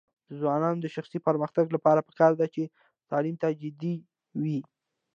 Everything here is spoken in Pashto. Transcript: د ځوانانو د شخصي پرمختګ لپاره پکار ده چې تعلیم ته جدي وي.